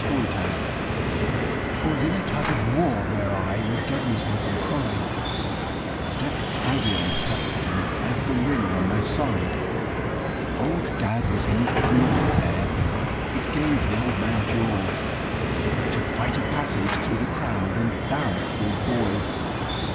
AT THE TUG OF WAR 'Twas in a tug of war where I the guvnor's hope and pride Stepped proudly on the platform as the ringer on my side; Old dad was in his glory there it gave the old man joy To fight a passage through the crowd and barrack for his boy.